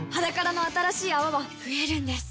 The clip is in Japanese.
「ｈａｄａｋａｒａ」の新しい泡は増えるんです